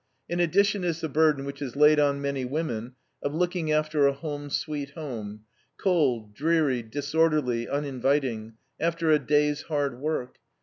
In addition is the burden which is laid on many women of looking after a "home, sweet home" cold, dreary, disorderly, uninviting after a day's hard work.